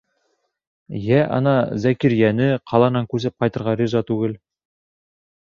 Йә, ана, Зәкирйәне ҡаланан күсеп ҡайтырға риза түгел.